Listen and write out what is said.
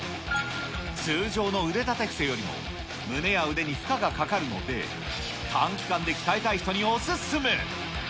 通常の腕立て伏せよりも、胸や腕に負荷がかかるので、短期間で鍛えたい人にお勧め。